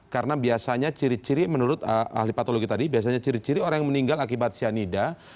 karena biasanya ciri ciri menurut ahli patologi tadi biasanya ciri ciri orang yang meninggal akibat cyanida